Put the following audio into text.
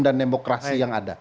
dan demokrasi yang ada